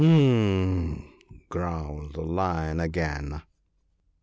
* H'm !' growled the Lion again.